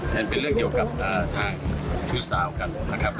นั่นเป็นเรื่องเกี่ยวกับทางชู้สาวกันนะครับ